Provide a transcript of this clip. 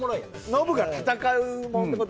ノブが戦うもんって事？